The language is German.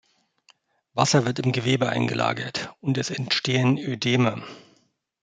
Wasser wird im Gewebe eingelagert, und es entstehen Ödeme.